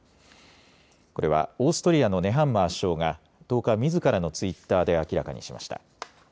これはオーストリアのネハンマー首相が１０日、みずからのツイッターで明らかにしました。